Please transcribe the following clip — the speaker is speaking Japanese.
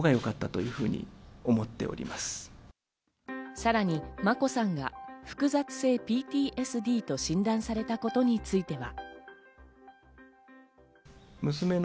さらに眞子さんが複雑性ＰＴＳＤと診断されたことについては。